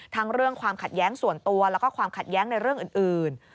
เรื่องความขัดแย้งส่วนตัวแล้วก็ความขัดแย้งในเรื่องอื่น